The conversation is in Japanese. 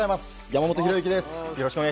山本紘之です。